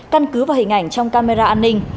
căn cứ vào hình ảnh trong camera an ninh